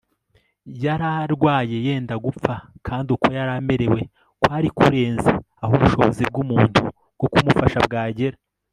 yari arwaye yenda gupfa, kandi uko yari amerewe kwari kurenze aho ubushobozi bw'umuntu bwo kumufasha bwagera